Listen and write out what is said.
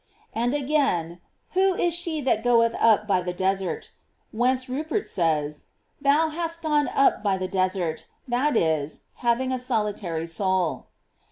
* And again, "Who is she that goeth up by the desert ? "f whence Rupert says: "Thou hast gone up by the desert, that is, having a solitary soul."